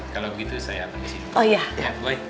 kalau begitu saya angkat disini